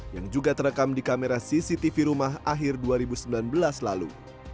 yang juga terekam di kamera cctv rumah akhir dua ribu sembilan belas lalu